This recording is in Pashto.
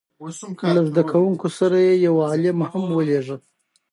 له زده کوونکو سره یې یو عالم هم ولېږه.